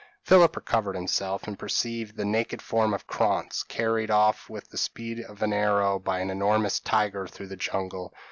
Philip recovered himself, and perceived the naked form of Krantz carried off with the speed of an arrow by an enormous tiger through the jungle.